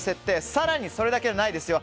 更に、それだけではないですよ。